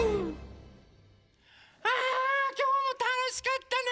ああきょうもたのしかったね